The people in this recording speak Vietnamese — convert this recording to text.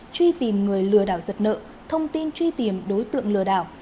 truy tìm người lừa đảo giật nợ thông tin truy tìm đối tượng lừa đảo